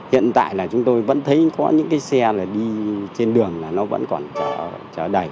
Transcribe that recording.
hiện tại là chúng tôi vẫn thấy có những cái xe là đi trên đường là nó vẫn còn đầy